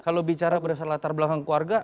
kalau bicara berdasarkan latar belakang keluarga